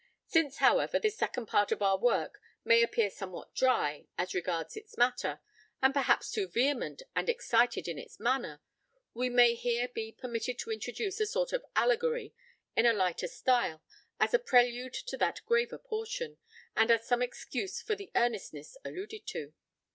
Since, however, this second part of our work may appear somewhat dry as regards its matter, and perhaps too vehement and excited in its manner, we may here be permitted to introduce a sort of allegory in a lighter style, as a prelude to that graver portion, and as some excuse for the earnestness alluded to.